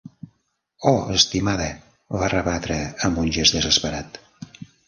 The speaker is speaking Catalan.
"Oh, estimada", va rebatre amb un gest desesperat.